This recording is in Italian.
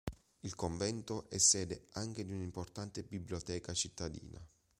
Il convento è sede anche di un'importante biblioteca cittadina.